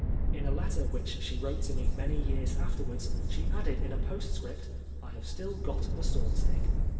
In a letter which she wrote to me many years afterwards she added in a postscript, " I have still got the swordstick."